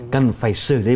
cần phải xử lý vấn đề